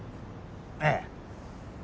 ええ。